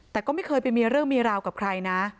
แต่ก็ไม่เคยไปมีเรื่องมีราวกับใครนะ